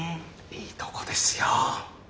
いいとこですよ。